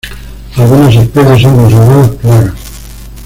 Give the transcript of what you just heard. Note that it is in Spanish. Algunas especies son consideradas plagas.